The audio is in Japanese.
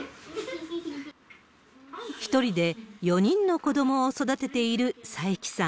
１人で４人の子どもを育てている佐伯さん。